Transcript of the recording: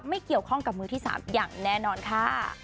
ไม่เกี่ยวข้องกับมือที่๓อย่างแน่นอนค่ะ